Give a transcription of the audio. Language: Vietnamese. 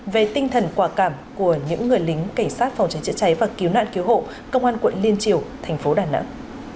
về tinh thần quả cảm của những người lính cảnh sát phòng cháy chữa cháy và cứu nạn cứu hộ công an quận liên triều thành phố đà nẵng